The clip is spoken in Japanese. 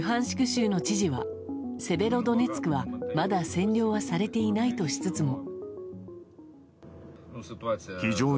州の知事はセベロドネツクはまだ占領はされていないとしつつも。